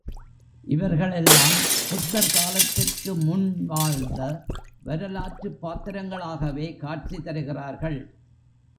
இவர்களெல்லாம் புத்தர் காலத்திற்கு முன் வாழ்ந்த வரலாற்றுப் பாத்திரங்களாகவே காட்சி தருகிறார்கள்.